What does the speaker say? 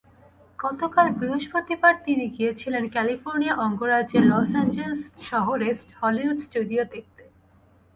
গতকাল বৃহস্পতিবার তিনি গিয়েছিলেন ক্যালিফোর্নিয়া অঙ্গরাজ্যের লস অ্যাঞ্জেলেস শহরে হলিউড স্টুডিও দেখতে।